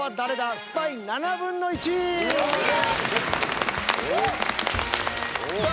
スパイ７分の１！さあ